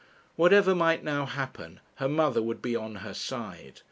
Whatever might now happen, her mother would be on her side.